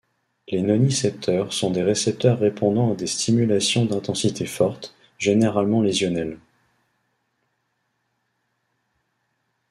Les nocicepteurs sont des récepteurs répondant à des stimulations d’intensité forte, généralement lésionnelles.